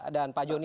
dan pak joni